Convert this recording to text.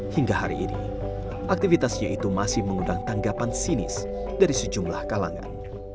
hingga hari ini aktivitasnya itu masih mengundang tanggapan sinis dari sejumlah kalangan